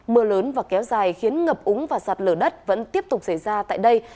mưa lớn và kéo dài khiến ngập úng và sạt lở đất vẫn tiếp tục xảy ra tại đây